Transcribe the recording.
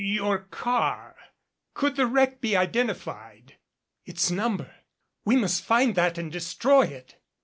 "Your car could the wreck be identified?" "Its number. We must find that and destroy it."